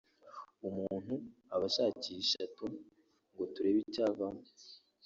umuntu aba ashakisha tu ngo turebe icyavamo